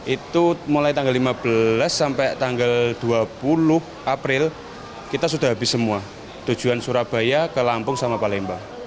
itu mulai tanggal lima belas sampai tanggal dua puluh april kita sudah habis semua tujuan surabaya ke lampung sama palembang